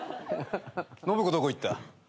信子どこ行った？